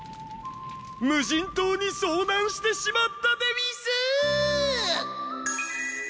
無人島に遭難してしまったでうぃす